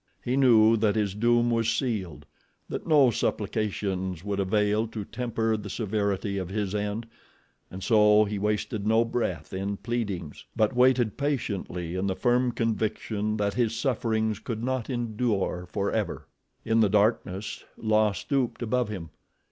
He knew that his doom was sealed—that no supplications would avail to temper the severity of his end and so he wasted no breath in pleadings; but waited patiently in the firm conviction that his sufferings could not endure forever. In the darkness La stooped above him.